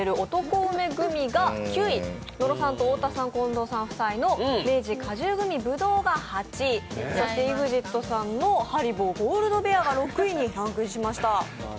梅グミが９位野呂さんと太田さん、近藤さん夫妻の明治グミぶどうが８位、そしてＥＸＩＴさんのハリボーゴールドベアは６位にランクインしました。